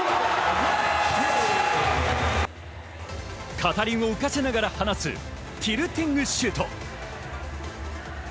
片輪を浮かせながら放つティルティングシュート。